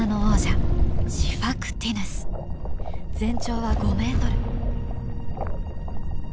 全長は５ｍ。